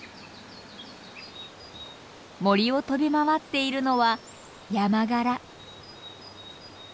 森を飛び回っているのはヤマガラ。